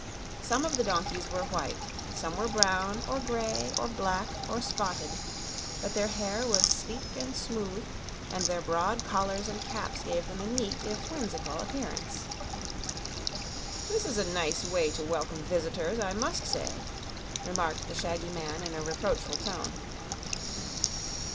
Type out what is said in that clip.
Some of the donkeys were white, some were brown, or gray, or black, or spotted; but their hair was sleek and smooth and their broad collars and caps gave them a neat, if whimsical, appearance. "This is a nice way to welcome visitors, I must say!" remarked the shaggy man, in a reproachful tone.